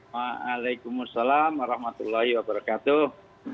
waalaikumsalam warahmatullahi wabarakatuh